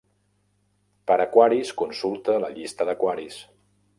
Per aquaris, consulta la llista d'aquaris.